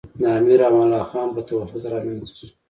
د امیر امان الله خان په تواسط رامنځته شو.